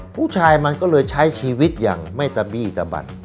ผู้ชายมันก็เลยใช้ชีวิตอย่างไม่ตะบี้ตะบัด